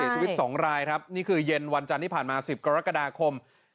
ชีวิต๒รายครับนี่คือเย็นวันจันทร์ที่ผ่านมา๑๐กรกฎาคม